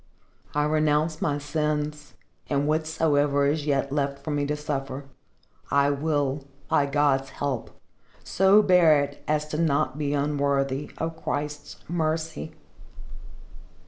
"I renounce my sins, and whatsoever is yet left for me to suffer, I will, by God's help, so bear it as to be not unworthy of Christ's mercy."